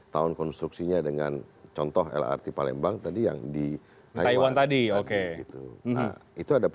tahun konstruksinya dengan contoh lrt palembang tadi yang di taiwan